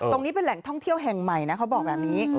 ตรงนี้เป็นแหล่งท่องเที่ยวแห่งใหม่นะเขาบอกแบบนี้